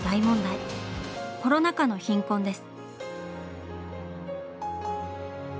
「コロナ禍の貧困」です。